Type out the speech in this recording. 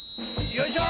よいしょ！